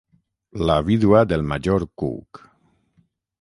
La vídua del major Cook.